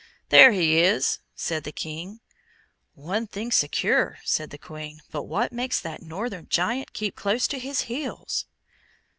"There he is," said the King. "One thing secure!" said the Queen; "but what makes that northern giant keep close to his heels?"